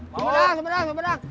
semedang semedang semedang